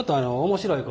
面白い？